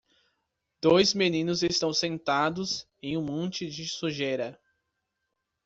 Dois meninos estão sentados em um monte de sujeira.